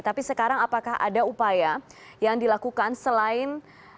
tapi sekarang apakah ada upaya yang dilakukan selain